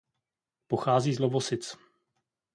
Pochází z Lovosic.